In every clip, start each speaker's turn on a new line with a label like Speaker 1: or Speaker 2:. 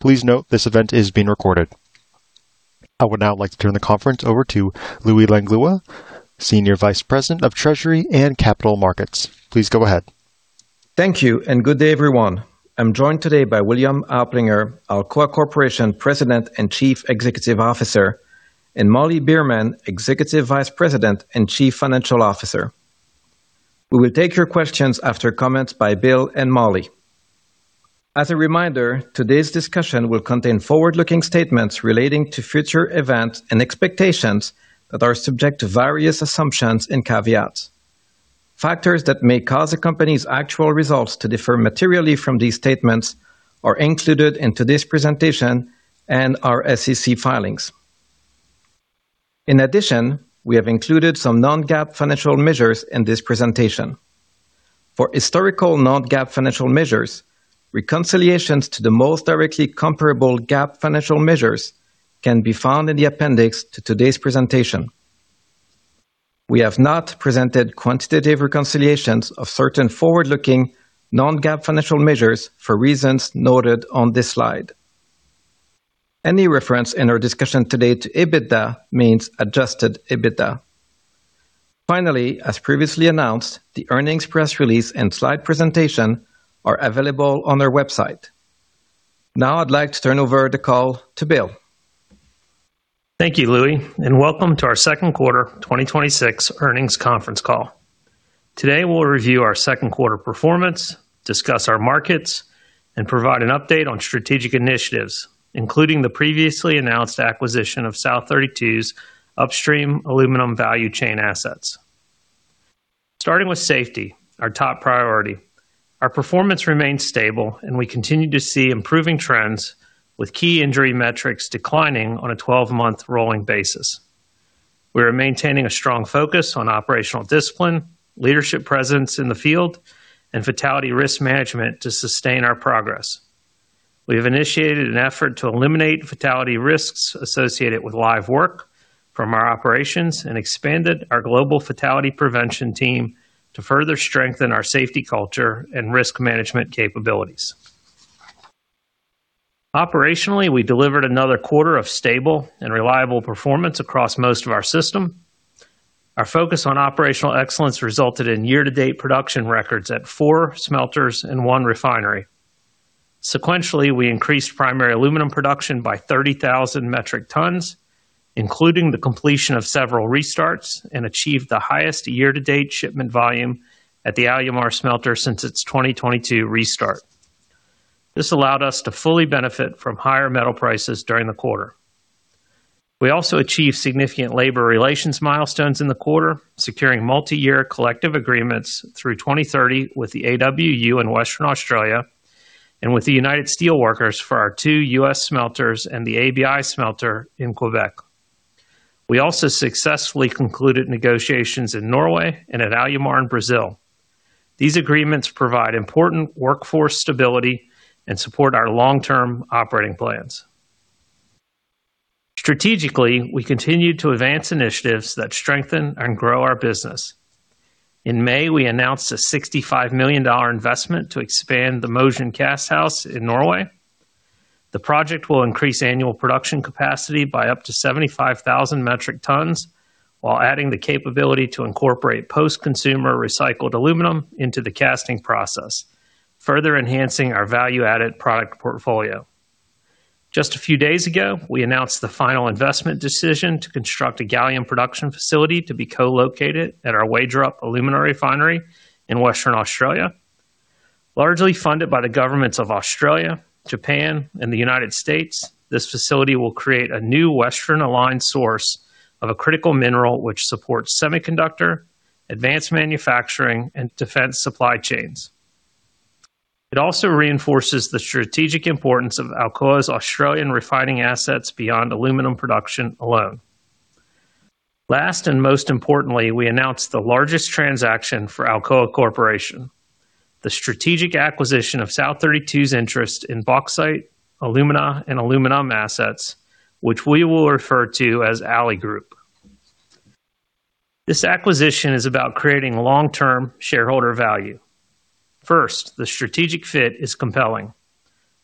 Speaker 1: Please note this event is being recorded. I would now like to turn the conference over to Louis Langlois, Senior Vice President of Treasury and Capital Markets. Please go ahead.
Speaker 2: Thank you, and good day, everyone. I'm joined today by William Oplinger, Alcoa Corporation President and Chief Executive Officer, and Molly Beerman, Executive Vice President and Chief Financial Officer. We will take your questions after comments by Bill and Molly. As a reminder, today's discussion will contain forward-looking statements relating to future events and expectations that are subject to various assumptions and caveats. Factors that may cause the company's actual results to differ materially from these statements are included in today's presentation and our SEC filings. In addition, we have included some non-GAAP financial measures in this presentation. For historical non-GAAP financial measures, reconciliations to the most directly comparable GAAP financial measures can be found in the appendix to today's presentation. We have not presented quantitative reconciliations of certain forward-looking non-GAAP financial measures for reasons noted on this slide. Any reference in our discussion today to EBITDA means adjusted EBITDA. Finally, as previously announced, the earnings press release and slide presentation are available on our website. Now I'd like to turn over the call to Bill.
Speaker 3: Thank you, Louis, and welcome to our second quarter 2026 earnings conference call. Today, we'll review our second quarter performance, discuss our markets, and provide an update on strategic initiatives, including the previously announced acquisition of South32's upstream aluminum value chain assets. Starting with safety, our top priority. Our performance remains stable, and we continue to see improving trends with key injury metrics declining on a 12-month rolling basis. We are maintaining a strong focus on operational discipline, leadership presence in the field, and fatality risk management to sustain our progress. We have initiated an effort to eliminate fatality risks associated with live work from our operations and expanded our global fatality prevention team to further strengthen our safety culture and risk management capabilities. Operationally, we delivered another quarter of stable and reliable performance across most of our system. Our focus on operational excellence resulted in year-to-date production records at four smelters and one refinery. Sequentially, we increased primary aluminum production by 30,000 metric tons, including the completion of several restarts, and achieved the highest year-to-date shipment volume at the Alumar smelter since its 2022 restart. This allowed us to fully benefit from higher metal prices during the quarter. We also achieved significant labor relations milestones in the quarter, securing multi-year collective agreements through 2030 with the AWU in Western Australia and with the United Steelworkers for our two U.S. smelters and the ABI smelter in Quebec. We also successfully concluded negotiations in Norway and at Alumar in Brazil. These agreements provide important workforce stability and support our long-term operating plans. Strategically, we continue to advance initiatives that strengthen and grow our business. In May, we announced a $65 million investment to expand the Mosjøen Casthouse in Norway. The project will increase annual production capacity by up to 75,000 metric tons while adding the capability to incorporate post-consumer recycled aluminum into the casting process, further enhancing our value-added product portfolio. Just a few days ago, we announced the final investment decision to construct a gallium production facility to be co-located at our Wagerup alumina refinery in Western Australia. Largely funded by the governments of Australia, Japan, and the United States, this facility will create a new Western-aligned source of a critical mineral which supports semiconductor, advanced manufacturing, and defense supply chains. It also reinforces the strategic importance of Alcoa's Australian refining assets beyond aluminum production alone. Most importantly, we announced the largest transaction for Alcoa Corporation, the strategic acquisition of South32's interest in bauxite, alumina, and aluminum assets, which we will refer to as Alli Group. This acquisition is about creating long-term shareholder value. First, the strategic fit is compelling.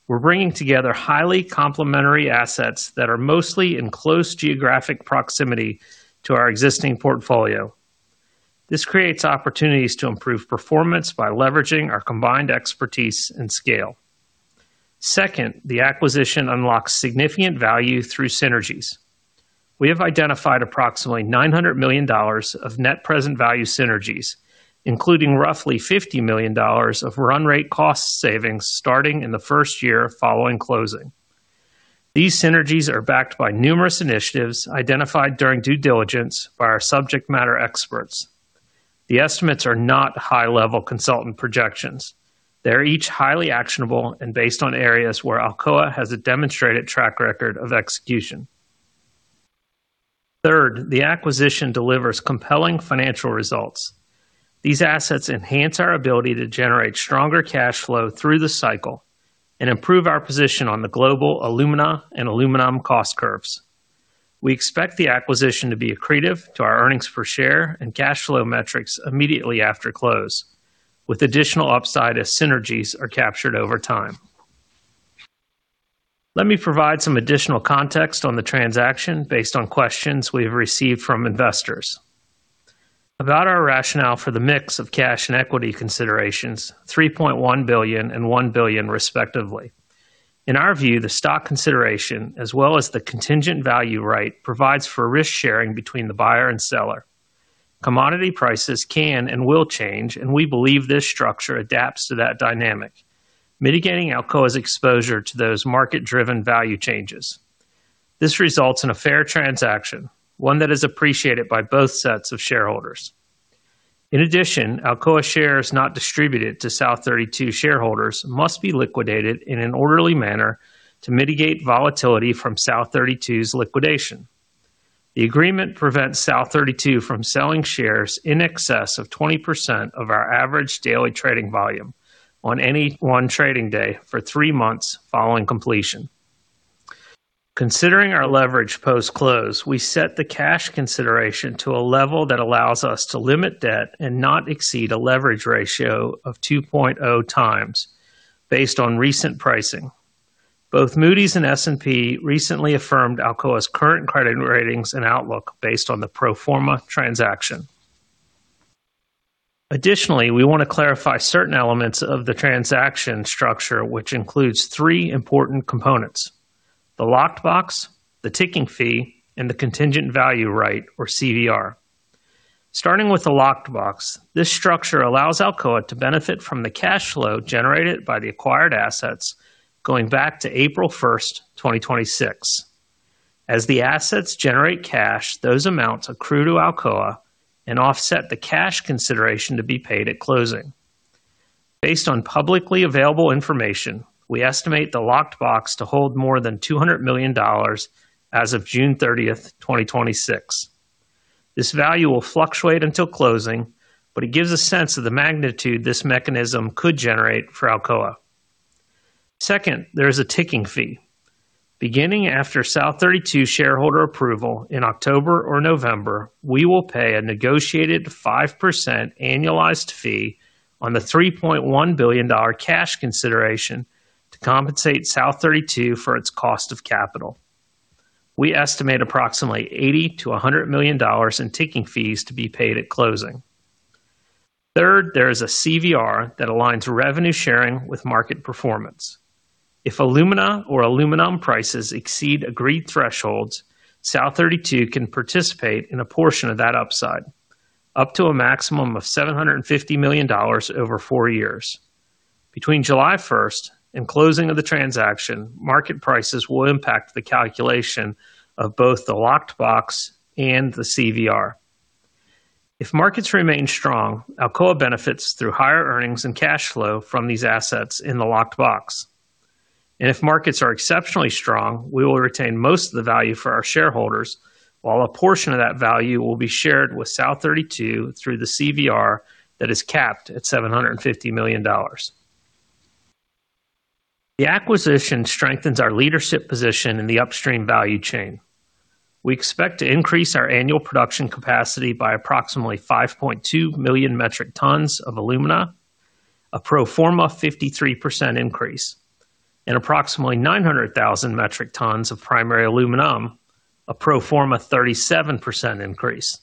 Speaker 3: We're bringing together highly complementary assets that are mostly in close geographic proximity to our existing portfolio. This creates opportunities to improve performance by leveraging our combined expertise and scale. Second, the acquisition unlocks significant value through synergies. We have identified approximately $900 million of net present value synergies, including roughly $50 million of run rate cost savings starting in the first year following closing. These synergies are backed by numerous initiatives identified during due diligence by our subject matter experts. The estimates are not high-level consultant projections. They're each highly actionable and based on areas where Alcoa has a demonstrated track record of execution. Third, the acquisition delivers compelling financial results. These assets enhance our ability to generate stronger cash flow through the cycle and improve our position on the global alumina and aluminum cost curves. We expect the acquisition to be accretive to our earnings per share and cash flow metrics immediately after close, with additional upside as synergies are captured over time. Let me provide some additional context on the transaction based on questions we have received from investors. About our rationale for the mix of cash and equity considerations, $3.1 billion and $1 billion respectively. In our view, the stock consideration, as well as the contingent value right, provides for risk-sharing between the buyer and seller. Commodity prices can and will change, and we believe this structure adapts to that dynamic, mitigating Alcoa's exposure to those market-driven value changes. This results in a fair transaction, one that is appreciated by both sets of shareholders. In addition, Alcoa shares not distributed to South32 shareholders must be liquidated in an orderly manner to mitigate volatility from South32's liquidation. The agreement prevents South32 from selling shares in excess of 20% of our average daily trading volume on any one trading day for three months following completion. Considering our leverage post-close, we set the cash consideration to a level that allows us to limit debt and not exceed a leverage ratio of 2.0x based on recent pricing. Both Moody's and S&P recently affirmed Alcoa's current credit ratings and outlook based on the pro forma transaction. Additionally, we want to clarify certain elements of the transaction structure, which includes three important components: the locked box, the ticking fee, and the contingent value right, or CVR. Starting with the locked box, this structure allows Alcoa to benefit from the cash flow generated by the acquired assets going back to April 1st, 2026. As the assets generate cash, those amounts accrue to Alcoa and offset the cash consideration to be paid at closing. Based on publicly available information, we estimate the locked box to hold more than $200 million as of June 30th, 2026. This value will fluctuate until closing, but it gives a sense of the magnitude this mechanism could generate for Alcoa. Second, there is a ticking fee. Beginning after South32 shareholder approval in October or November, we will pay a negotiated 5% annualized fee on the $3.1 billion cash consideration to compensate South32 for its cost of capital. We estimate approximately $80 million-$100 million in ticking fees to be paid at closing. Third, there is a CVR that aligns revenue sharing with market performance. If alumina or aluminum prices exceed agreed thresholds, South32 can participate in a portion of that upside, up to a maximum of $750 million over four years. Between July 1st and closing of the transaction, market prices will impact the calculation of both the locked box and the CVR. If markets remain strong, Alcoa benefits through higher earnings and cash flow from these assets in the locked box. If markets are exceptionally strong, we will retain most of the value for our shareholders, while a portion of that value will be shared with South32 through the CVR that is capped at $750 million. The acquisition strengthens our leadership position in the upstream value chain. We expect to increase our annual production capacity by approximately 5.2 million metric tons of alumina, a pro forma 53% increase, and approximately 900,000 metric tons of primary aluminum, a pro forma 37% increase.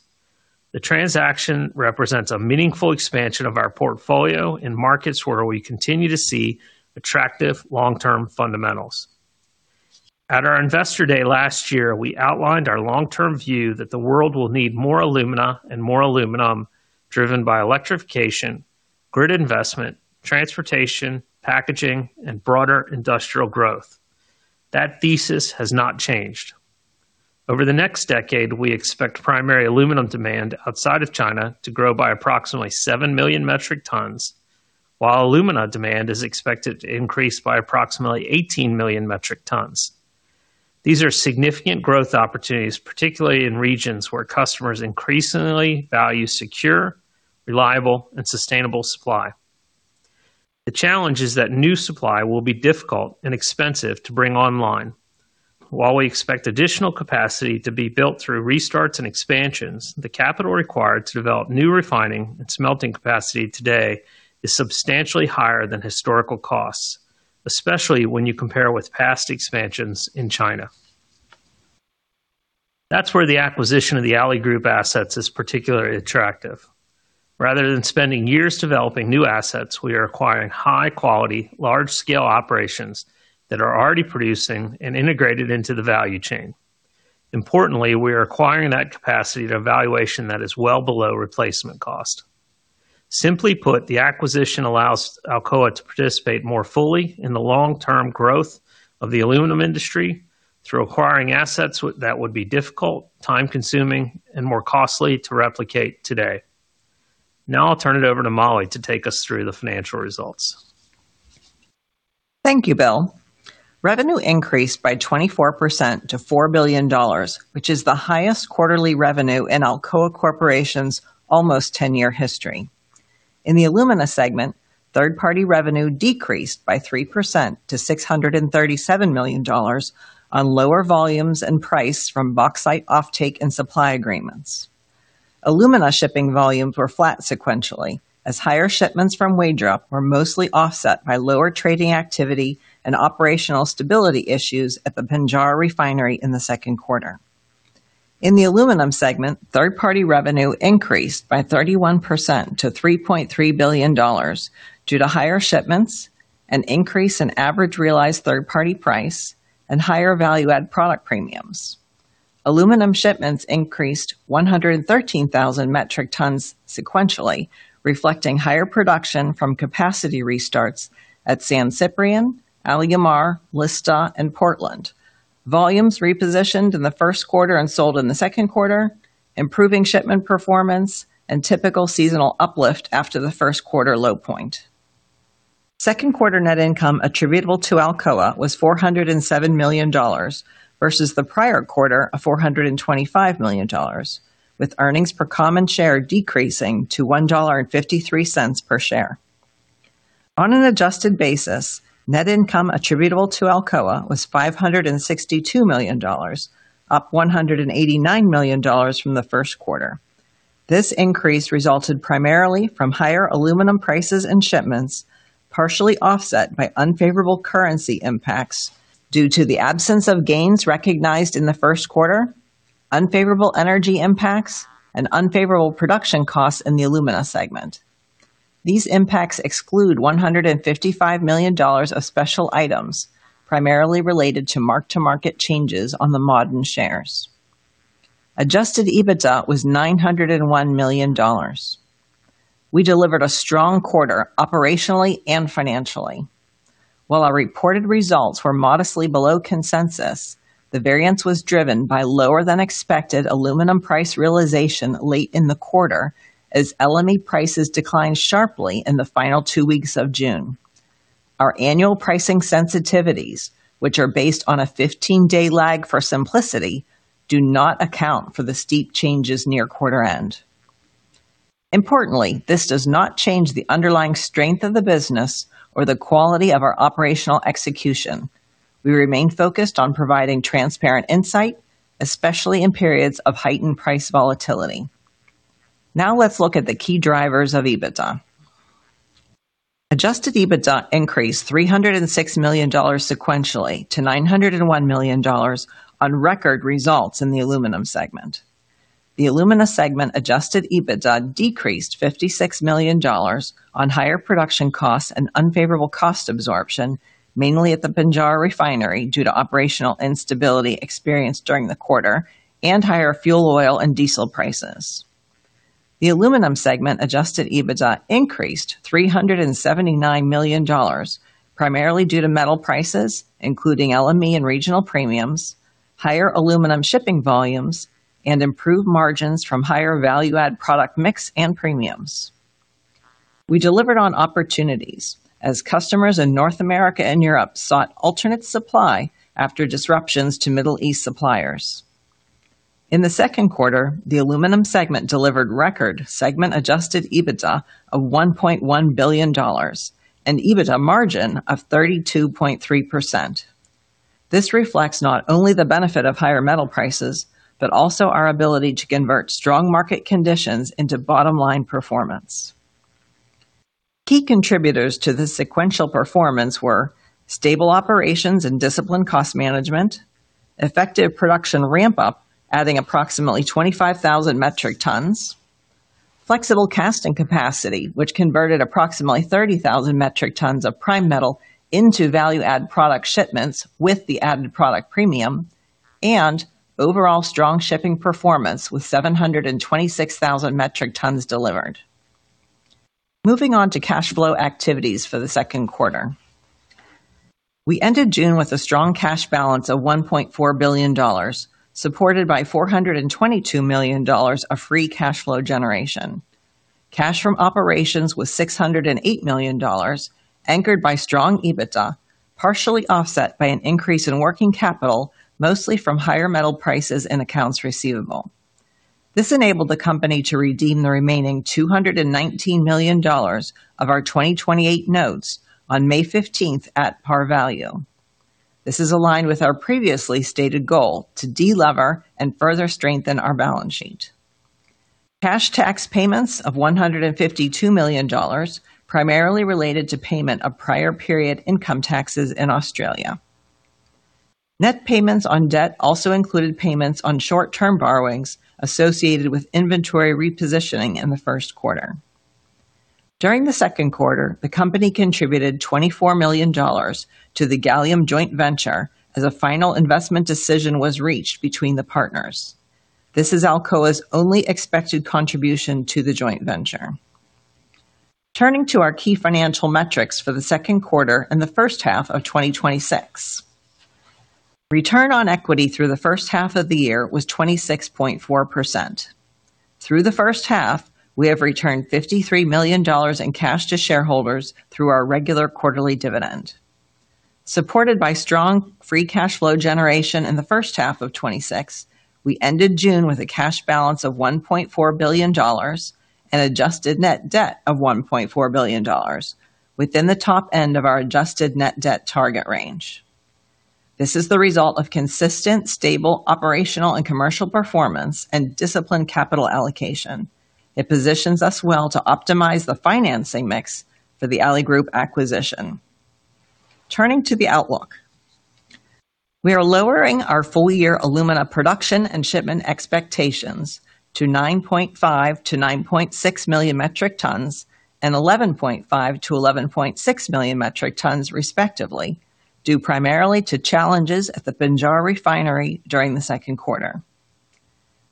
Speaker 3: The transaction represents a meaningful expansion of our portfolio in markets where we continue to see attractive long-term fundamentals. At our Investor Day last year, we outlined our long-term view that the world will need more alumina and more aluminum driven by electrification, grid investment, transportation, packaging, and broader industrial growth. That thesis has not changed. Over the next decade, we expect primary aluminum demand outside of China to grow by approximately 7 million metric tons, while alumina demand is expected to increase by approximately 18 million metric tons. These are significant growth opportunities, particularly in regions where customers increasingly value secure, reliable, and sustainable supply. The challenge is that new supply will be difficult and expensive to bring online. While we expect additional capacity to be built through restarts and expansions, the capital required to develop new refining and smelting capacity today is substantially higher than historical costs, especially when you compare with past expansions in China. That's where the acquisition of the AliGroup assets is particularly attractive. Rather than spending years developing new assets, we are acquiring high quality, large scale operations that are already producing and integrated into the value chain. Importantly, we are acquiring that capacity at a valuation that is well below replacement cost. Simply put, the acquisition allows Alcoa to participate more fully in the long-term growth of the aluminum industry through acquiring assets that would be difficult, time-consuming, and more costly to replicate today. I'll turn it over to Molly to take us through the financial results.
Speaker 4: Thank you, Bill. Revenue increased by 24% to $4 billion, which is the highest quarterly revenue in Alcoa Corporation's almost 10-year history. In the alumina segment, third-party revenue decreased by 3% to $637 million on lower volumes and price from bauxite offtake and supply agreements. Alumina shipping volumes were flat sequentially, as higher shipments from Wagerup were mostly offset by lower trading activity and operational stability issues at the Pinjarra Refinery in the second quarter. In the aluminum segment, third-party revenue increased by 31% to $3.3 billion due to higher shipments, an increase in average realized third-party price, and higher value-add product premiums. Aluminum shipments increased 113,000 metric tons sequentially, reflecting higher production from capacity restarts at San Ciprián, Alumar, Lista, and Portland. Volumes repositioned in the first quarter and sold in the second quarter, improving shipment performance and typical seasonal uplift after the first quarter low point. Second quarter net income attributable to Alcoa was $407 million versus the prior quarter of $425 million, with earnings per common share decreasing to $1.53 per share. On an adjusted basis, net income attributable to Alcoa was $562 million, up $189 million from the first quarter. This increase resulted primarily from higher aluminum prices and shipments, partially offset by unfavorable currency impacts due to the absence of gains recognized in the first quarter, unfavorable energy impacts, and unfavorable production costs in the alumina segment. These impacts exclude $155 million of special items, primarily related to mark-to-market changes on the Ma'aden shares. Adjusted EBITDA was $901 million. We delivered a strong quarter operationally and financially. While our reported results were modestly below consensus, the variance was driven by lower-than-expected aluminum price realization late in the quarter as LME prices declined sharply in the final two weeks of June. Our annual pricing sensitivities, which are based on a 15-day lag for simplicity, do not account for the steep changes near quarter end. Importantly, this does not change the underlying strength of the business or the quality of our operational execution. We remain focused on providing transparent insight, especially in periods of heightened price volatility. Let's look at the key drivers of EBITDA. Adjusted EBITDA increased $306 million sequentially to $901 million on record results in the aluminum segment. The alumina segment adjusted EBITDA decreased $56 million on higher production costs and unfavorable cost absorption, mainly at the Pinjarra Refinery due to operational instability experienced during the quarter, and higher fuel oil and diesel prices. The aluminum segment adjusted EBITDA increased $379 million, primarily due to metal prices, including LME and regional premiums, higher aluminum shipping volumes, and improved margins from higher value-add product mix and premiums. We delivered on opportunities as customers in North America and Europe sought alternate supply after disruptions to Middle East suppliers. In the second quarter, the aluminum segment delivered record segment adjusted EBITDA of $1.1 billion and EBITDA margin of 32.3%. This reflects not only the benefit of higher metal prices, but also our ability to convert strong market conditions into bottom-line performance. Key contributors to this sequential performance were stable operations and disciplined cost management, effective production ramp-up, adding approximately 25,000 metric tons, flexible casting capacity, which converted approximately 30,000 metric tons of prime metal into value-add product shipments with the added product premium, and overall strong shipping performance with 726,000 metric tons delivered. Moving on to cash flow activities for the second quarter. We ended June with a strong cash balance of $1.4 billion, supported by $422 million of free cash flow generation. Cash from operations was $608 million, anchored by strong EBITDA, partially offset by an increase in working capital, mostly from higher metal prices and accounts receivable. This enabled the company to redeem the remaining $219 million of our 2028 notes on May 15th at par value. This is aligned with our previously stated goal to de-lever and further strengthen our balance sheet. Cash tax payments of $152 million primarily related to payment of prior period income taxes in Australia. Net payments on debt also included payments on short-term borrowings associated with inventory repositioning in the first quarter. During the second quarter, the company contributed $24 million to the Gallium joint venture as a final investment decision was reached between the partners. This is Alcoa's only expected contribution to the joint venture. Turning to our key financial metrics for the second quarter and the first half of 2026. Return on equity through the first half of the year was 26.4%. Through the first half, we have returned $53 million in cash to shareholders through our regular quarterly dividend. Supported by strong free cash flow generation in the first half of 2026, we ended June with a cash balance of $1.4 billion and adjusted net debt of $1.4 billion within the top end of our adjusted net debt target range. This is the result of consistent, stable, operational, and commercial performance and disciplined capital allocation. It positions us well to optimize the financing mix for the AliGroup acquisition. Turning to the outlook. We are lowering our full-year alumina production and shipment expectations to 9.5-9.6 million metric tons and 11.5-11.6 million metric tons respectively, due primarily to challenges at the Pinjarra Refinery during the second quarter.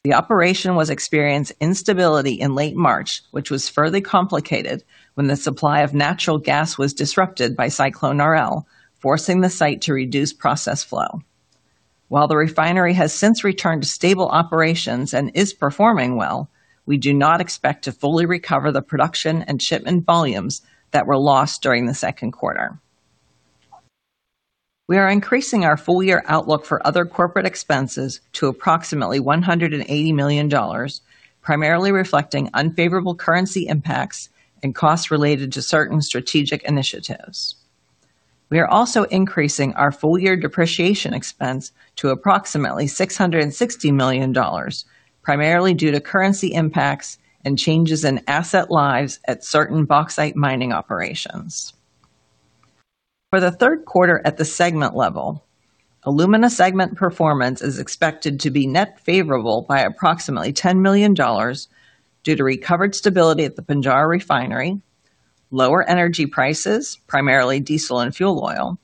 Speaker 4: The operation was experienced instability in late March, which was further complicated when the supply of natural gas was disrupted by Cyclone Laurence, forcing the site to reduce process flow. While the refinery has since returned to stable operations and is performing well, we do not expect to fully recover the production and shipment volumes that were lost during the second quarter. We are increasing our full-year outlook for other corporate expenses to approximately $180 million, primarily reflecting unfavorable currency impacts and costs related to certain strategic initiatives. We are also increasing our full-year depreciation expense to approximately $660 million, primarily due to currency impacts and changes in asset lives at certain bauxite mining operations. For the third quarter at the segment level, alumina segment performance is expected to be net favorable by approximately $10 million due to recovered stability at the Pinjarra Refinery, lower energy prices, primarily diesel and fuel oil,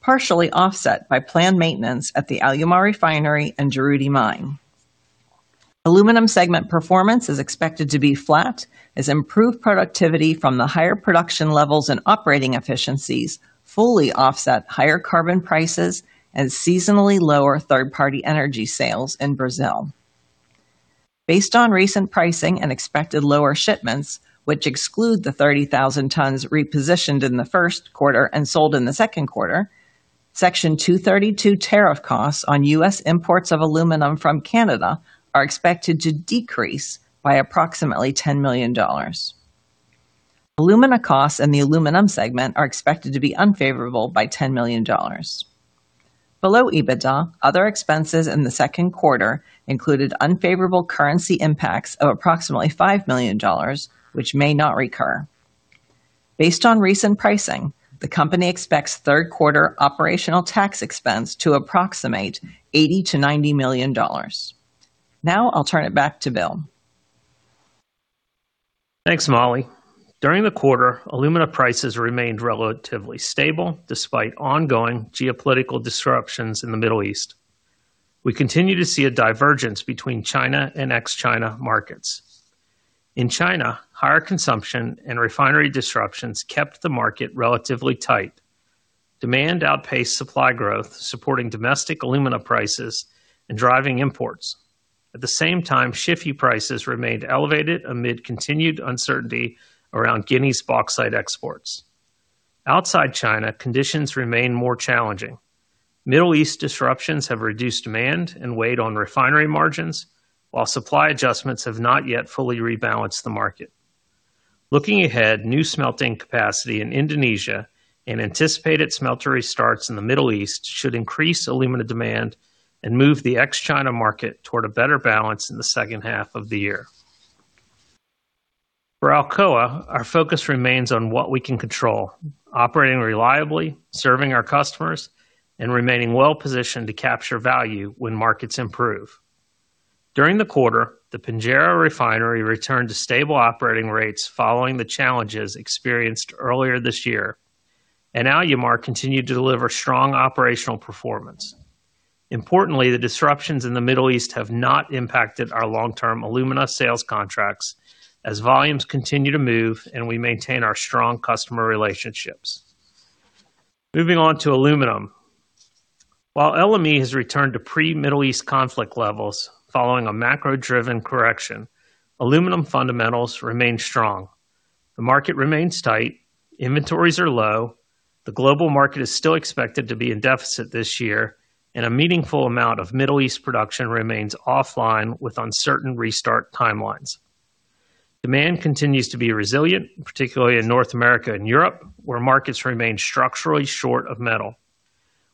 Speaker 4: partially offset by planned maintenance at the Alumar Refinery and Juruti Mine. Aluminum segment performance is expected to be flat as improved productivity from the higher production levels and operating efficiencies fully offset higher carbon prices and seasonally lower third-party energy sales in Brazil. Based on recent pricing and expected lower shipments, which exclude the 30,000 tons repositioned in the first quarter and sold in the second quarter, Section 232 tariff costs on U.S. imports of aluminum from Canada are expected to decrease by approximately $10 million. Alumina costs in the aluminum segment are expected to be unfavorable by $10 million. Below EBITDA, other expenses in the second quarter included unfavorable currency impacts of approximately $5 million, which may not recur. Based on recent pricing, the company expects third quarter operational tax expense to approximate $80 million-$90 million. I'll turn it back to Bill.
Speaker 3: Thanks, Molly. During the quarter, alumina prices remained relatively stable despite ongoing geopolitical disruptions in the Middle East. We continue to see a divergence between China and ex-China markets. In China, higher consumption and refinery disruptions kept the market relatively tight. Demand outpaced supply growth, supporting domestic alumina prices and driving imports. At the same time, CFR prices remained elevated amid continued uncertainty around Guinea's bauxite exports. Outside China, conditions remain more challenging. Middle East disruptions have reduced demand and weighed on refinery margins, while supply adjustments have not yet fully rebalanced the market. Looking ahead, new smelting capacity in Indonesia and anticipated smelter restarts in the Middle East should increase alumina demand and move the ex-China market toward a better balance in the second half of the year. For Alcoa, our focus remains on what we can control: operating reliably, serving our customers, and remaining well-positioned to capture value when markets improve. During the quarter, the Pinjarra Refinery returned to stable operating rates following the challenges experienced earlier this year, and Alumar continued to deliver strong operational performance. Importantly, the disruptions in the Middle East have not impacted our long-term alumina sales contracts as volumes continue to move and we maintain our strong customer relationships. Moving on to aluminum. While LME has returned to pre-Middle East conflict levels following a macro-driven correction, aluminum fundamentals remain strong. The market remains tight. Inventories are low. The global market is still expected to be in deficit this year, and a meaningful amount of Middle East production remains offline with uncertain restart timelines. Demand continues to be resilient, particularly in North America and Europe, where markets remain structurally short of metal.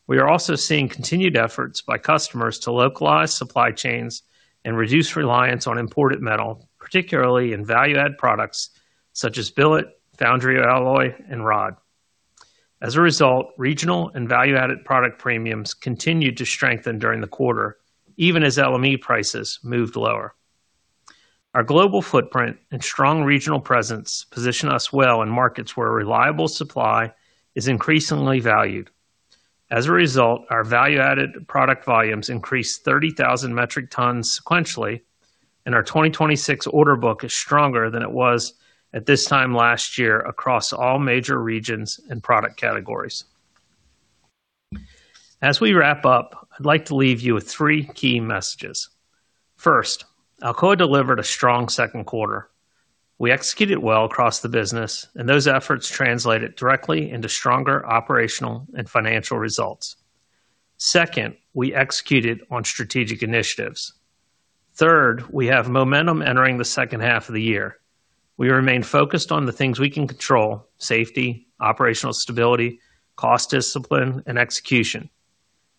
Speaker 3: We are also seeing continued efforts by customers to localize supply chains and reduce reliance on imported metal, particularly in value-add products such as billet, foundry alloy, and rod. As a result, regional and value-added product premiums continued to strengthen during the quarter, even as LME prices moved lower. Our global footprint and strong regional presence position us well in markets where reliable supply is increasingly valued. As a result, our value-added product volumes increased 30,000 metric tons sequentially, and our 2026 order book is stronger than it was at this time last year across all major regions and product categories. As we wrap up, I'd like to leave you with three key messages. First, Alcoa delivered a strong second quarter. We executed well across the business, and those efforts translated directly into stronger operational and financial results. Second, we executed on strategic initiatives. Third, we have momentum entering the second half of the year. We remain focused on the things we can control, safety, operational stability, cost discipline, and execution.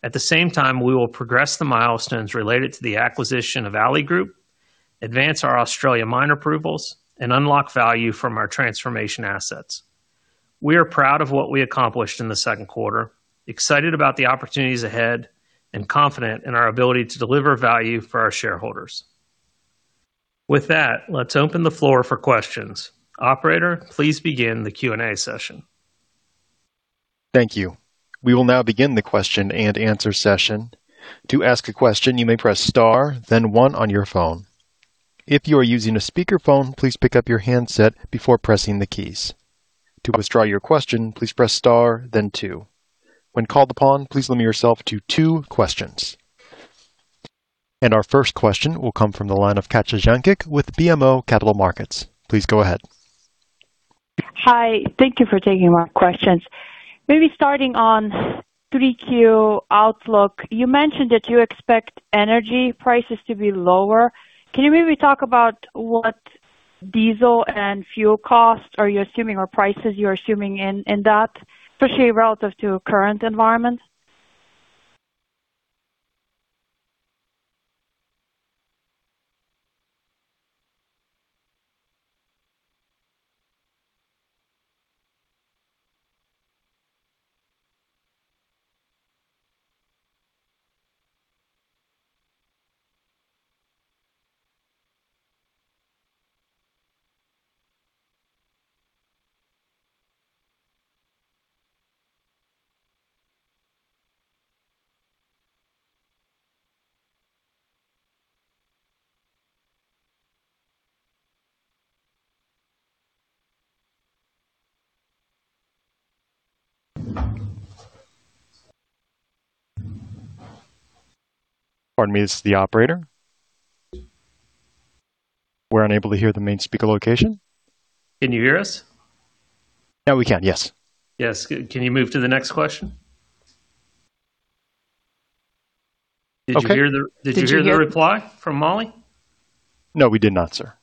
Speaker 3: At the same time, we will progress the milestones related to the acquisition of AliGroup, advance our Australia mine approvals, and unlock value from our transformation assets. We are proud of what we accomplished in the second quarter, excited about the opportunities ahead, and confident in our ability to deliver value for our shareholders. With that, let's open the floor for questions. Operator, please begin the Q&A session.
Speaker 1: Thank you. We will now begin the question and answer session. To ask a question, you may press star then one on your phone. If you are using a speakerphone, please pick up your handset before pressing the keys. To withdraw your question, please press star then two. When called upon, please limit yourself to two questions. Our first question will come from the line of Katja Jancic with BMO Capital Markets. Please go ahead.
Speaker 5: Hi. Thank you for taking my questions. Maybe starting on 3Q outlook, you mentioned that you expect energy prices to be lower. Can you maybe talk about what diesel and fuel costs are you assuming, or prices you're assuming in that, especially relative to current environments?
Speaker 1: Pardon me, this is the operator. We're unable to hear the main speaker location.
Speaker 3: Can you hear us?
Speaker 1: Now we can, yes.
Speaker 3: Yes. Can you move to the next question?
Speaker 1: Okay.
Speaker 3: Did you hear the reply from Molly?
Speaker 1: No, we did not, sir.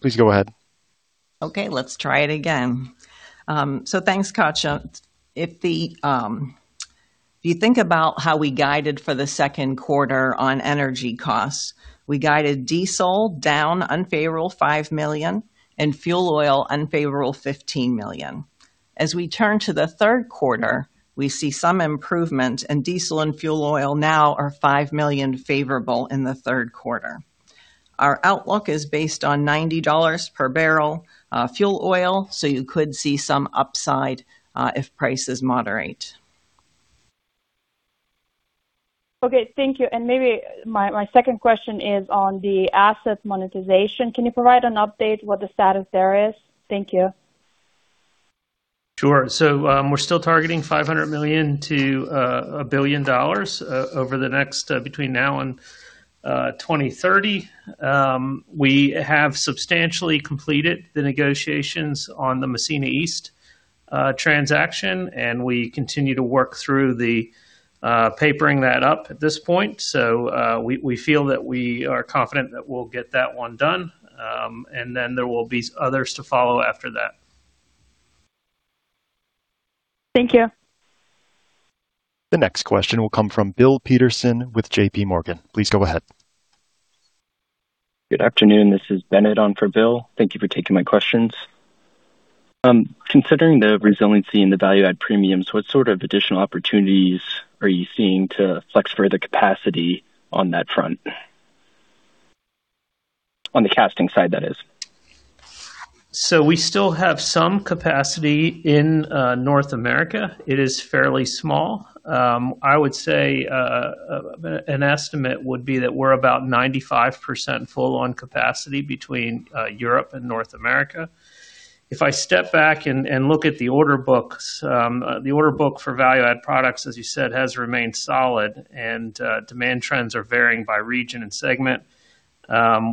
Speaker 1: Please go ahead.
Speaker 4: Okay, let's try it again. Thanks, Katja. If you think about how we guided for the second quarter on energy costs, we guided diesel down unfavorable $5 million and fuel oil unfavorable $15 million. As we turn to the third quarter, we see some improvement, diesel and fuel oil now are $5 million favorable in the third quarter. Our outlook is based on $90 per barrel fuel oil, you could see some upside if prices moderate.
Speaker 5: Okay, thank you. Maybe my second question is on the asset monetization. Can you provide an update what the status there is? Thank you.
Speaker 3: Sure. We're still targeting $500 million-$1 billion over the next, between now and 2030. We have substantially completed the negotiations on the Massena East transaction, and we continue to work through the papering that up at this point. We feel that we are confident that we'll get that one done. Then there will be others to follow after that.
Speaker 5: Thank you.
Speaker 1: The next question will come from Bill Peterson with JPMorgan. Please go ahead.
Speaker 6: Good afternoon. This is Bennett on for Bill. Thank you for taking my questions. Considering the resiliency and the value-add premiums, what sort of additional opportunities are you seeing to flex further capacity on that front? On the casting side, that is.
Speaker 3: We still have some capacity in North America. It is fairly small. I would say, an estimate would be that we're about 95% full on capacity between Europe and North America. If I step back and look at the order books, the order book for value-add products, as you said, has remained solid, and demand trends are varying by region and segment.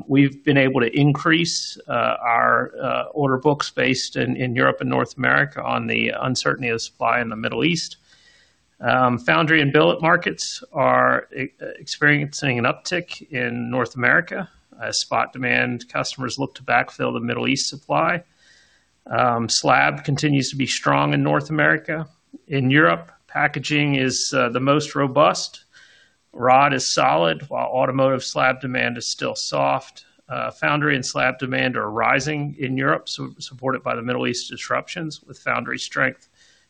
Speaker 3: We've been able to increase our order books based in Europe and North America on the uncertainty of supply in the Middle East. Foundry and billet markets are experiencing an uptick in North America as spot demand customers look to backfill the Middle East supply. Slab continues to be strong in North America. In Europe, packaging is the most robust. Rod is solid, while automotive slab demand is still soft. Foundry and slab demand are rising in Europe, supported by the Middle East disruptions, with foundry strength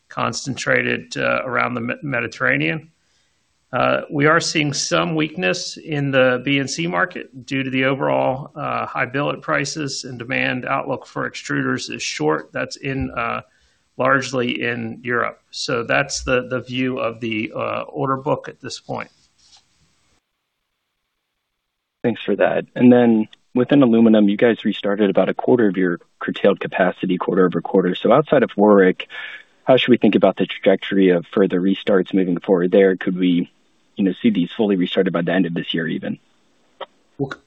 Speaker 3: concentrated around the Mediterranean. We are seeing some weakness in the B&C market due to the overall high billet prices, and demand outlook for extruders is short. That's largely in Europe. That's the view of the order book at this point.
Speaker 6: Thanks for that. Then within aluminum, you guys restarted about a quarter of your curtailed capacity quarter-over-quarter. Outside of Warrick, how should we think about the trajectory of further restarts moving forward there? Could we see these fully restarted by the end of this year, even?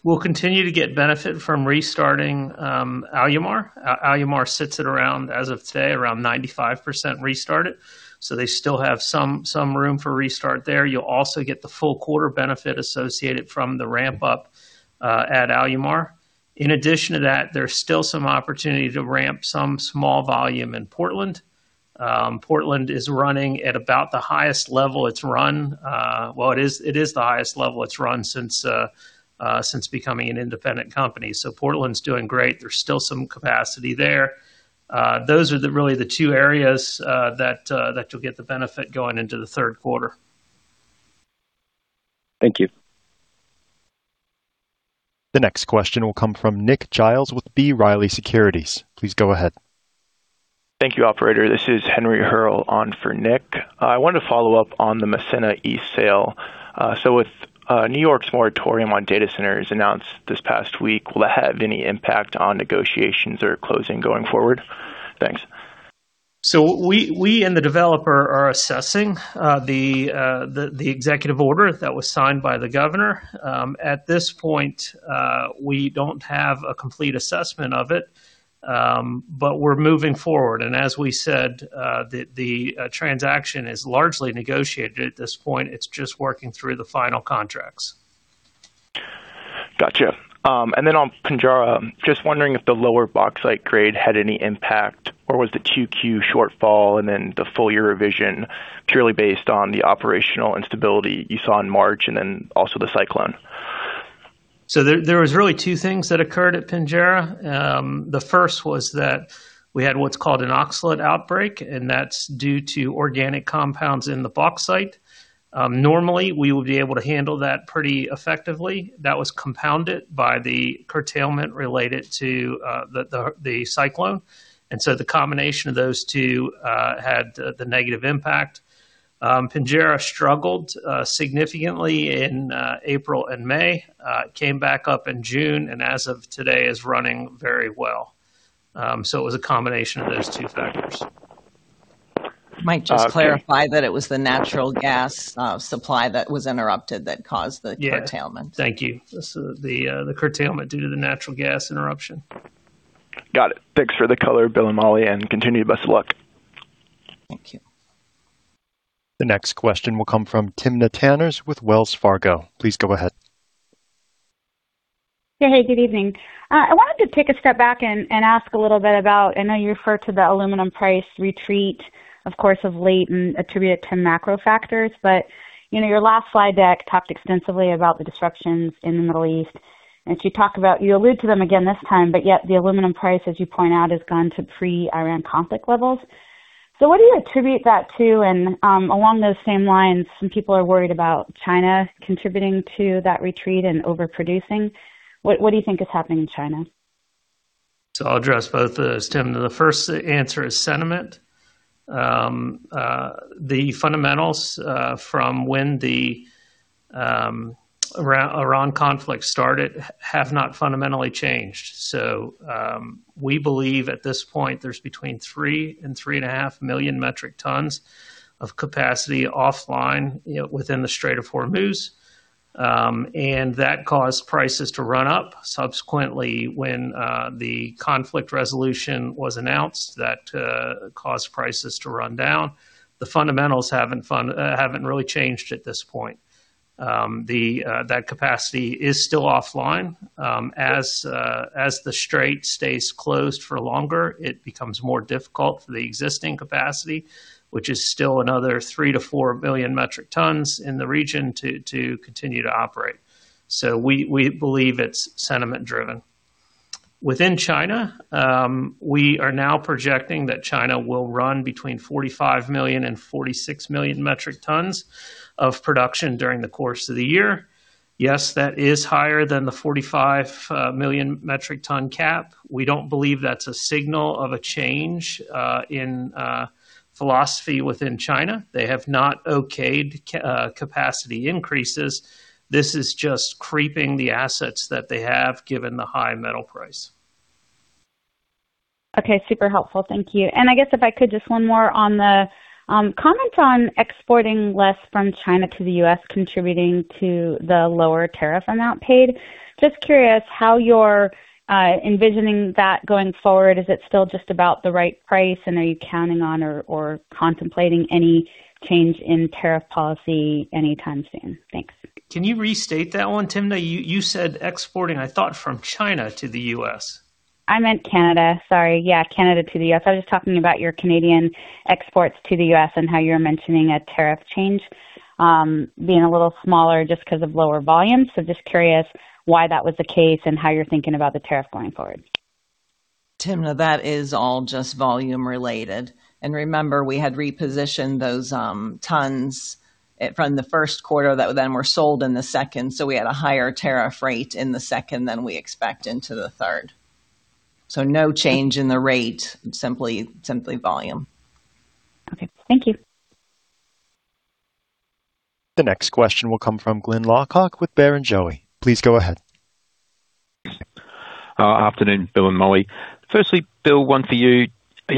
Speaker 3: We'll continue to get benefit from restarting Alumar. Alumar sits at around, as of today, around 95% restarted. They still have some room for restart there. You'll also get the full quarter benefit associated from the ramp-up at Alumar. In addition to that, there's still some opportunity to ramp some small volume in Portland. Portland is running at about the highest level it's run. Well, it is the highest level it's run since becoming an independent company. Portland's doing great. There's still some capacity there. Those are really the two areas that you'll get the benefit going into the third quarter.
Speaker 6: Thank you.
Speaker 1: The next question will come from Nick Giles with B. Riley Securities. Please go ahead.
Speaker 7: Thank you, operator. This is Henry Hearle on for Nick. I wanted to follow up on the Massena East sale. With New York's moratorium on data centers announced this past week, will that have any impact on negotiations or closing going forward? Thanks.
Speaker 3: We and the developer are assessing the executive order that was signed by the governor. At this point, we don't have a complete assessment of it, but we're moving forward. As we said, the transaction is largely negotiated at this point. It's just working through the final contracts.
Speaker 7: Got you. On Pinjarra, just wondering if the lower bauxite grade had any impact, or was the 2Q shortfall and then the full-year revision purely based on the operational instability you saw in March and then also the cyclone?
Speaker 3: There was really two things that occurred at Pinjarra. The first was that we had what's called an oxalate outbreak, and that's due to organic compounds in the bauxite. Normally, we would be able to handle that pretty effectively. That was compounded by the curtailment related to the cyclone. The combination of those two had the negative impact. Pinjarra struggled significantly in April and May, came back up in June, and as of today is running very well. It was a combination of those two factors.
Speaker 4: Might just clarify that it was the natural gas supply that was interrupted that caused the curtailment.
Speaker 3: Yeah. Thank you. The curtailment due to the natural gas interruption.
Speaker 7: Got it. Thanks for the color, Bill and Molly, and continued best of luck.
Speaker 3: Thank you.
Speaker 1: The next question will come from Timna Tanners with Wells Fargo. Please go ahead.
Speaker 8: Yeah. Hey, good evening. I wanted to take a step back and ask a little bit about, I know you referred to the aluminum price retreat, of course, of late and attribute it to macro factors. Your last slide deck talked extensively about the disruptions in the Middle East. You allude to them again this time, but yet the aluminum price, as you point out, has gone to pre-Iran conflict levels. What do you attribute that to? Along those same lines, some people are worried about China contributing to that retreat and overproducing. What do you think is happening in China?
Speaker 3: I'll address both those, Timna. The first answer is sentiment. The fundamentals from when the Iran conflict started have not fundamentally changed. We believe at this point there's between 3 and 3.5 million metric tons of capacity offline within the Strait of Hormuz. That caused prices to run up. Subsequently, when the conflict resolution was announced, that caused prices to run down. The fundamentals haven't really changed at this point. That capacity is still offline. As the strait stays closed for longer, it becomes more difficult for the existing capacity, which is still another 3-4 million metric tons in the region, to continue to operate. We believe it's sentiment-driven. Within China, we are now projecting that China will run between 45 million and 46 million metric tons of production during the course of the year. Yes, that is higher than the 45 million metric ton cap. We don't believe that's a signal of a change in philosophy within China. They have not okayed capacity increases. This is just creeping the assets that they have, given the high metal price.
Speaker 8: Okay, super helpful. Thank you. I guess if I could, just one more on the comments on exporting less from China to the U.S. contributing to the lower tariff amount paid. Just curious how you're envisioning that going forward. Is it still just about the right price, and are you counting on or contemplating any change in tariff policy anytime soon? Thanks.
Speaker 3: Can you restate that one, Timna? You said exporting, I thought from China to the U.S.
Speaker 8: I meant Canada. Sorry. Yeah, Canada to the U.S. I was just talking about your Canadian exports to the U.S. and how you're mentioning a tariff change being a little smaller just because of lower volume. Just curious why that was the case and how you're thinking about the tariff going forward.
Speaker 4: Timna, that is all just volume-related. Remember, we had repositioned those tons from the first quarter that then were sold in the second. We had a higher tariff rate in the second than we expect into the third. No change in the rate, simply volume.
Speaker 8: Okay. Thank you.
Speaker 1: The next question will come from Glyn Lawcock with Barrenjoey. Please go ahead.
Speaker 9: Afternoon, Bill and Molly. Firstly, Bill, one for you.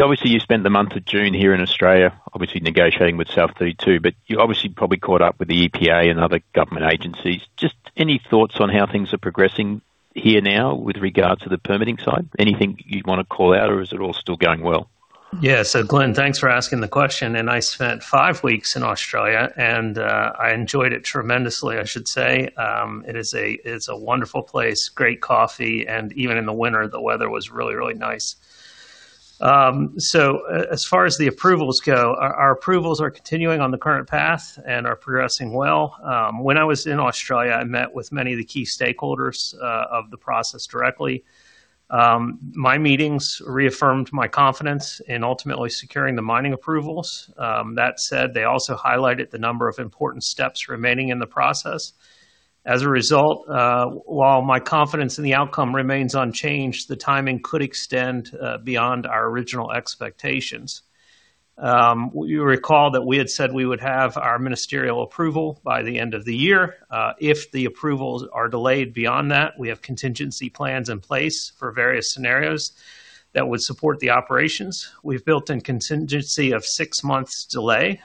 Speaker 9: Obviously, you spent the month of June here in Australia, obviously negotiating with South32, but you obviously probably caught up with the EPA and other government agencies. Just any thoughts on how things are progressing here now with regard to the permitting side? Anything you'd want to call out, or is it all still going well?
Speaker 3: Glyn, thanks for asking the question. I spent five weeks in Australia, and I enjoyed it tremendously, I should say. It is a wonderful place, great coffee, and even in the winter, the weather was really, really nice. As far as the approvals go, our approvals are continuing on the current path and are progressing well. When I was in Australia, I met with many of the key stakeholders of the process directly. My meetings reaffirmed my confidence in ultimately securing the mining approvals. That said, they also highlighted the number of important steps remaining in the process. As a result, while my confidence in the outcome remains unchanged, the timing could extend beyond our original expectations. You recall that we had said we would have our ministerial approval by the end of the year. If the approvals are delayed beyond that, we have contingency plans in place for various scenarios that would support the operations. We've built in a contingency of six months delay,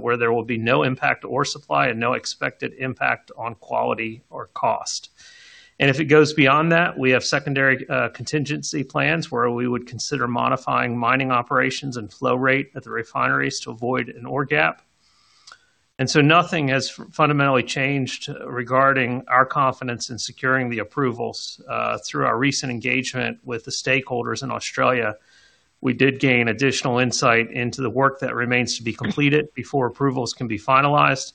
Speaker 3: where there will be no impact ore supply and no expected impact on quality or cost. If it goes beyond that, we have secondary contingency plans where we would consider modifying mining operations and flow rate at the refineries to avoid an ore gap. Nothing has fundamentally changed regarding our confidence in securing the approvals. Through our recent engagement with the stakeholders in Australia, we did gain additional insight into the work that remains to be completed before approvals can be finalized.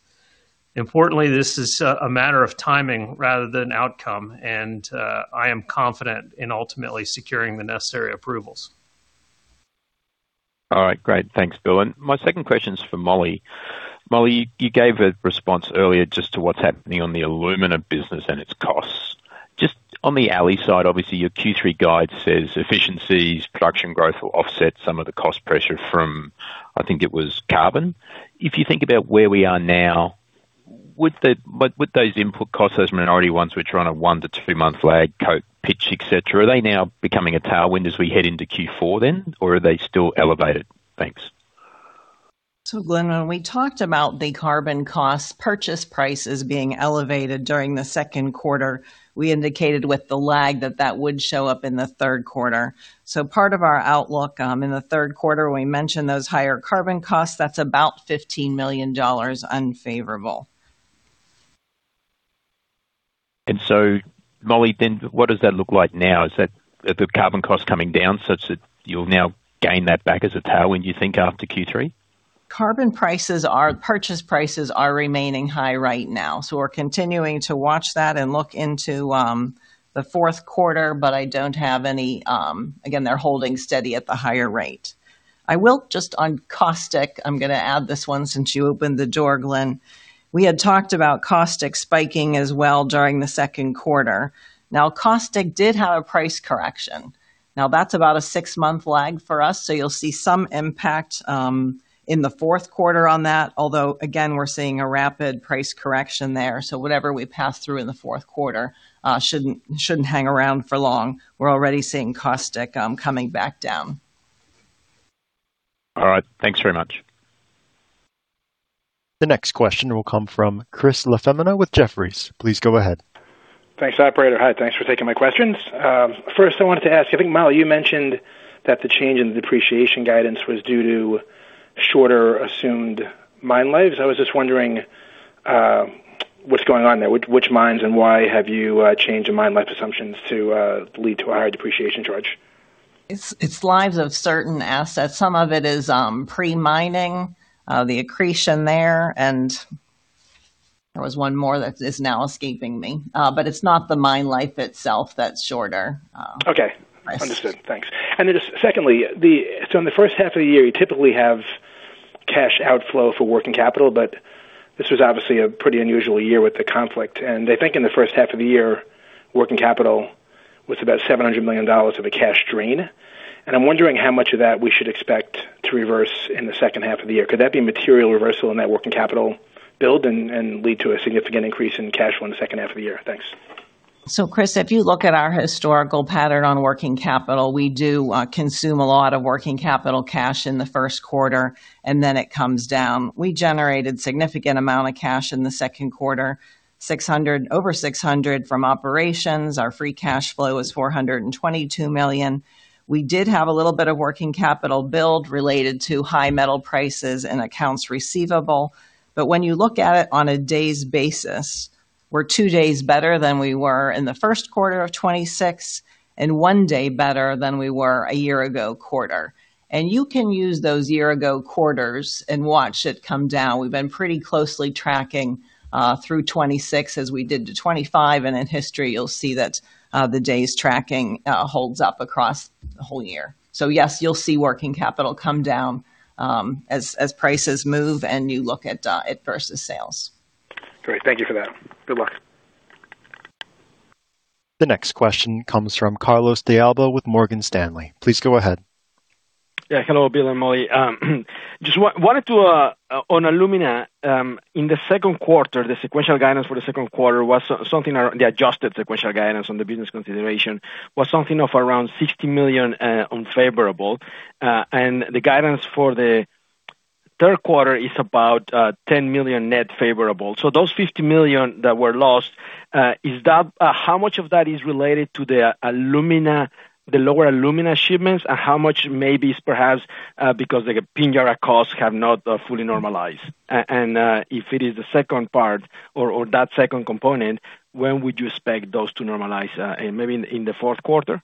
Speaker 3: Importantly, this is a matter of timing rather than outcome, and I am confident in ultimately securing the necessary approvals.
Speaker 9: All right. Great. Thanks, Bill. My second question is for Molly. Molly, you gave a response earlier just to what's happening on the alumina business and its costs. Just on the Ali side, obviously your Q3 guide says efficiencies, production growth will offset some of the cost pressure from, I think it was carbon. If you think about where we are now, with those input costs, those minority ones which are on a one-to-two-month lag, coke, pitch, et cetera, are they now becoming a tailwind as we head into Q4 then, or are they still elevated? Thanks.
Speaker 4: Glyn, when we talked about the carbon costs purchase prices being elevated during the second quarter, we indicated with the lag that that would show up in the third quarter. Part of our outlook, in the third quarter, we mentioned those higher carbon costs. That's about $15 million unfavorable.
Speaker 9: Molly, what does that look like now? Is the carbon cost coming down such that you'll now gain that back as a tailwind, you think, after Q3?
Speaker 4: Carbon purchase prices are remaining high right now. We're continuing to watch that and look into the fourth quarter, but Again, they're holding steady at the higher rate. I will just, on caustic, I'm going to add this one since you opened the door, Glyn. We had talked about caustic spiking as well during the second quarter. Caustic did have a price correction. That's about a six-month lag for us, so you'll see some impact in the fourth quarter on that. Although, again, we're seeing a rapid price correction there. Whatever we pass through in the fourth quarter shouldn't hang around for long. We're already seeing caustic coming back down.
Speaker 9: All right. Thanks very much.
Speaker 1: The next question will come from Chris LaFemina with Jefferies. Please go ahead.
Speaker 10: Thanks, operator. Hi, thanks for taking my questions. First, I wanted to ask, I think, Molly, you mentioned that the change in the depreciation guidance was due to shorter assumed mine lives. I was just wondering what's going on there. Which mines and why have you changed the mine life assumptions to lead to a higher depreciation charge?
Speaker 4: It's lives of certain assets. Some of it is pre-mining, the accretion there, and there was one more that is now escaping me. But it's not the mine life itself that's shorter.
Speaker 10: Okay. Understood. Thanks. Then secondly, so in the first half of the year, you typically have cash outflow for working capital, but this was obviously a pretty unusual year with the conflict, I think in the first half of the year, working capital was about $700 million of a cash drain. I'm wondering how much of that we should expect to reverse in the second half of the year. Could that be a material reversal in that working capital build and lead to a significant increase in cash flow in the second half of the year? Thanks.
Speaker 4: Chris, if you look at our historical pattern on working capital, we do consume a lot of working capital cash in the first quarter, and then it comes down. We generated significant amount of cash in the second quarter, over $600 from operations. Our free cash flow was $422 million. We did have a little bit of working capital build related to high metal prices and accounts receivable. When you look at it on a day's basis, we're two days better than we were in the first quarter of 2026 and one day better than we were a year-ago quarter. You can use those year-ago quarters and watch it come down. We've been pretty closely tracking through 2026 as we did to 2025. In history, you'll see that the day's tracking holds up across the whole year. Yes, you'll see working capital come down as prices move and you look at it versus sales.
Speaker 10: Great. Thank you for that. Good luck.
Speaker 1: The next question comes from Carlos de Alba with Morgan Stanley. Please go ahead.
Speaker 11: Hello, Bill and Molly. On alumina, in the second quarter, the sequential guidance for the second quarter, the adjusted sequential guidance on the business consideration, was around $60 million unfavorable. The guidance for the third quarter is about $10 million net favorable. Those $50 million that were lost, how much of that is related to the lower alumina shipments? How much may be perhaps because the Pinjarra costs have not fully normalized? If it is the second part or that second component, when would you expect those to normalize? Maybe in the fourth quarter?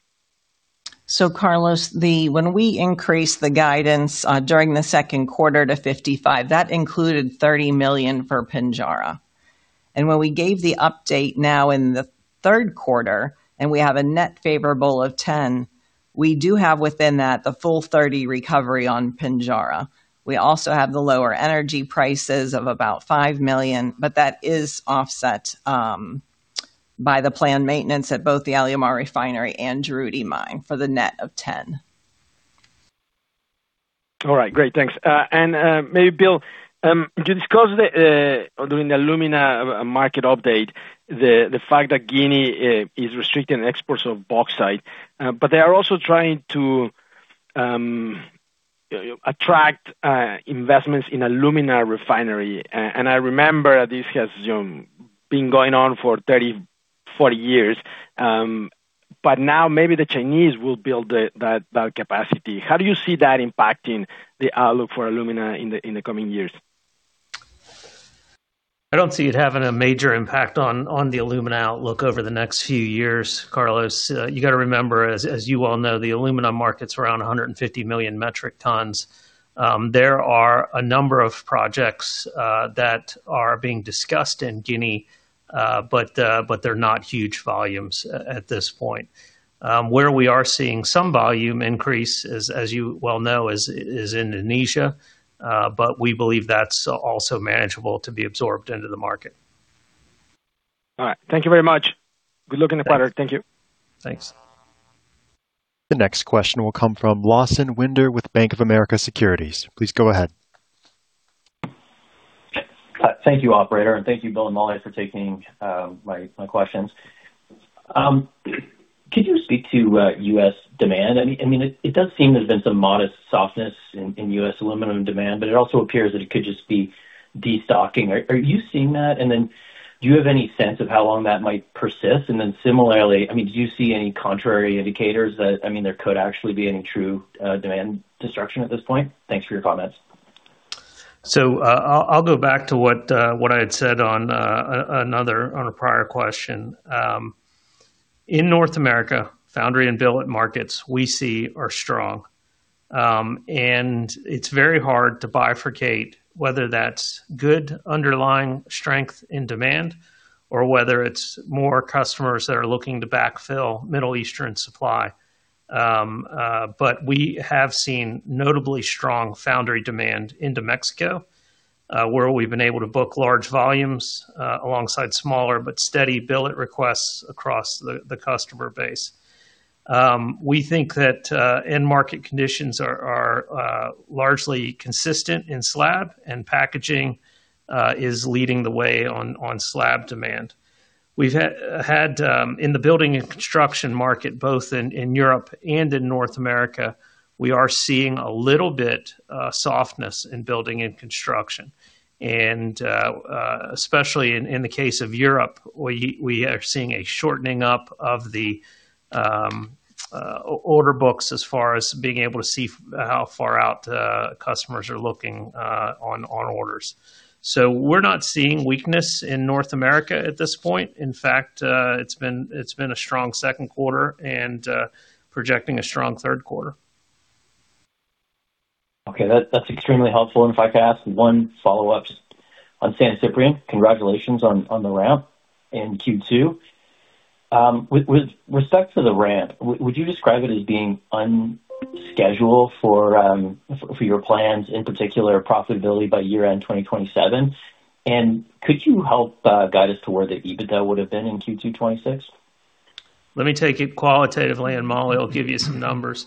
Speaker 4: Carlos, when we increased the guidance during the second quarter to $55 million, that included $30 million for Pinjarra. When we gave the update now in the third quarter, we have a net favorable of $10 million, we do have within that the full $30 million recovery on Pinjarra. We also have the lower energy prices of about $5 million, that is offset by the planned maintenance at both the Alumar Refinery and Juruti Mine for the net of $10 million.
Speaker 11: All right, great. Thanks. Maybe Bill, you discussed during the alumina market update the fact that Guinea is restricting exports of bauxite. They are also trying to attract investments in alumina refinery. I remember this has been going on for 30, 40 years. Now maybe the Chinese will build that capacity. How do you see that impacting the outlook for alumina in the coming years?
Speaker 3: I don't see it having a major impact on the alumina outlook over the next few years, Carlos. You got to remember, as you well know, the alumina market's around 150 million metric tons. There are a number of projects that are being discussed in Guinea, they're not huge volumes at this point. Where we are seeing some volume increase, as you well know, is Indonesia. We believe that's also manageable to be absorbed into the market.
Speaker 11: All right. Thank you very much. Good looking quarter. Thank you.
Speaker 3: Thanks.
Speaker 1: The next question will come from Lawson Winder with Bank of America Securities. Please go ahead.
Speaker 12: Thank you, operator, and thank you, Bill and Molly, for taking my questions. Could you speak to U.S. demand? It does seem there's been some modest softness in U.S. aluminum demand, but it also appears that it could just be destocking. Are you seeing that? Do you have any sense of how long that might persist? Similarly, do you see any contrary indicators that there could actually be any true demand destruction at this point? Thanks for your comments.
Speaker 3: I'll go back to what I had said on a prior question. In North America, foundry and billet markets we see are strong. It's very hard to bifurcate whether that's good underlying strength in demand or whether it's more customers that are looking to backfill Middle Eastern supply. We have seen notably strong foundry demand into Mexico, where we've been able to book large volumes alongside smaller but steady billet requests across the customer base. We think that end market conditions are largely consistent in slab, and packaging is leading the way on slab demand. We've had in the building and construction market, both in Europe and in North America, we are seeing a little bit softness in building and construction. Especially in the case of Europe, we are seeing a shortening up of the order books as far as being able to see how far out customers are looking on orders. We're not seeing weakness in North America at this point. In fact, it's been a strong second quarter and projecting a strong third quarter.
Speaker 12: Okay. That's extremely helpful. If I could ask one follow-up just on San Ciprián. Congratulations on the ramp in Q2. With respect to the ramp, would you describe it as being on schedule for your plans, in particular profitability by year-end 2027? Could you help guide us to where the EBITDA would have been in Q2 2026?
Speaker 3: Let me take it qualitatively, Molly will give you some numbers.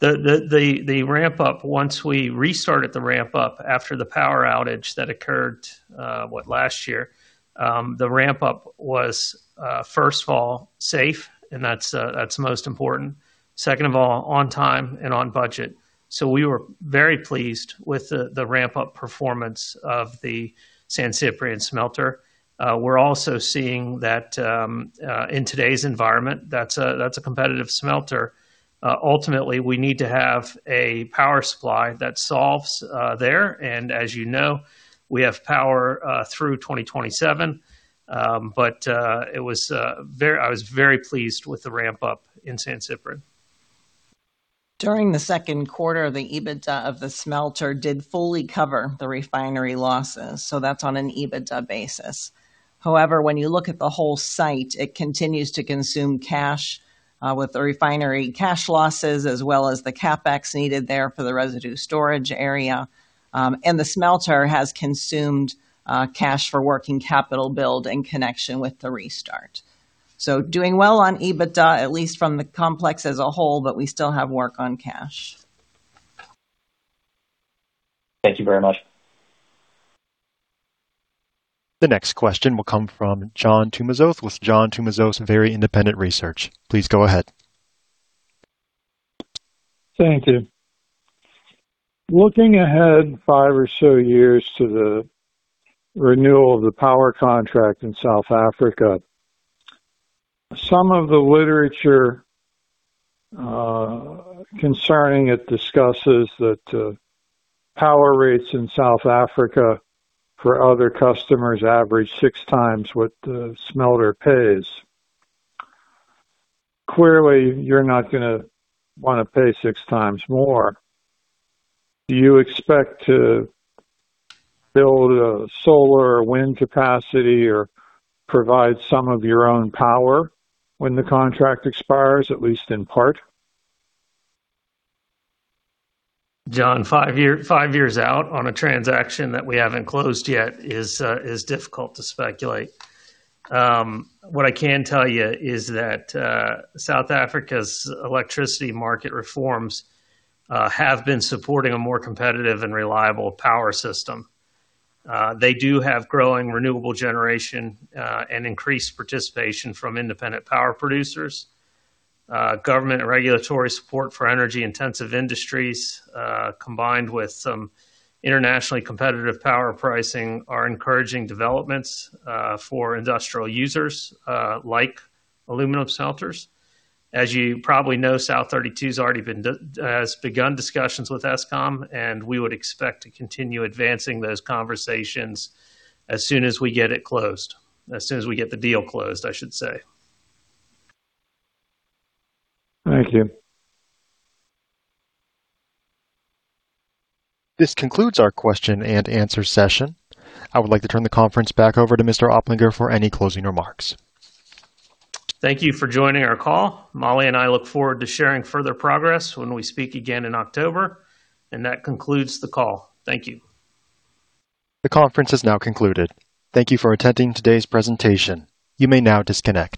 Speaker 3: The ramp up, once we restarted the ramp up after the power outage that occurred last year. The ramp up was, first of all, safe, and that's most important. Second of all, on time and on budget. We were very pleased with the ramp-up performance of the San Ciprián smelter. We're also seeing that in today's environment, that's a competitive smelter. Ultimately, we need to have a power supply that solves there. As you know, we have power through 2027. I was very pleased with the ramp up in San Ciprián.
Speaker 4: During the second quarter, the EBITDA of the smelter did fully cover the refinery losses. That's on an EBITDA basis. However, when you look at the whole site, it continues to consume cash with the refinery cash losses as well as the CapEx needed there for the residue storage area. The smelter has consumed cash for working capital build in connection with the restart. Doing well on EBITDA, at least from the complex as a whole, but we still have work on cash.
Speaker 12: Thank you very much.
Speaker 1: The next question will come from John Tumazos with John Tumazos Very Independent Research. Please go ahead.
Speaker 13: Thank you. Looking ahead five or so years to the renewal of the power contract in South Africa, some of the literature concerning it discusses that power rates in South Africa for other customers average 6x what the smelter pays. Clearly, you're not going to want to pay six times more. Do you expect to build a solar or wind capacity or provide some of your own power when the contract expires, at least in part?
Speaker 3: John, five years out on a transaction that we haven't closed yet is difficult to speculate. What I can tell you is that South Africa's electricity market reforms have been supporting a more competitive and reliable power system. They do have growing renewable generation, and increased participation from independent power producers. Government regulatory support for energy-intensive industries, combined with some internationally competitive power pricing are encouraging developments for industrial users like aluminum smelters. As you probably know, South32 has begun discussions with Eskom, and we would expect to continue advancing those conversations as soon as we get it closed. As soon as we get the deal closed, I should say.
Speaker 13: Thank you.
Speaker 1: This concludes our question and answer session. I would like to turn the conference back over to Mr. Oplinger for any closing remarks.
Speaker 3: Thank you for joining our call. Molly and I look forward to sharing further progress when we speak again in October. That concludes the call. Thank you.
Speaker 1: The conference has now concluded. Thank you for attending today's presentation. You may now disconnect.